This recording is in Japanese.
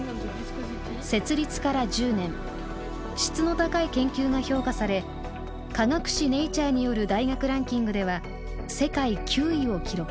設立から１０年質の高い研究が評価され科学誌「ネイチャー」による大学ランキングでは世界９位を記録。